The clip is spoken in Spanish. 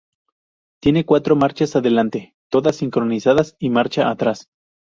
Tiene cuatro marchas adelante, todas sincronizadas, y marcha atrás.